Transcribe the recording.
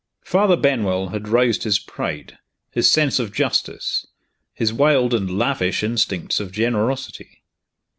Father Benwell had roused his pride, his sense of justice, his wild and lavish instincts of generosity.